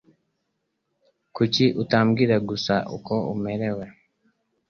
Kuki utabwira gusa uko umerewe?